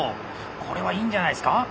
これはいいんじゃないすか？